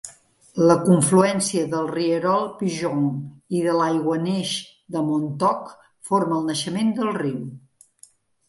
La confluència del rierol Pigeon i de l'aiguaneix de Montauk forma el naixement del riu.